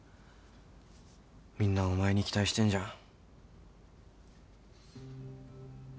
みんなお前に期待してんじゃん。